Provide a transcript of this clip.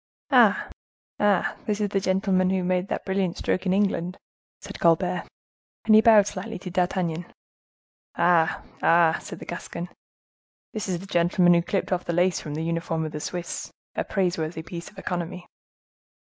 "Ah! ah! this is the gentleman who made that brilliant stroke in England," said Colbert. And he bowed slightly to D'Artagnan. "Ah! ah!" said the Gascon, "this is the gentleman who clipped off the lace from the uniform of the Swiss! A praiseworthy piece of economy."